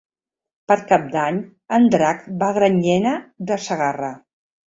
Per Cap d'Any en Drac va a Granyena de Segarra.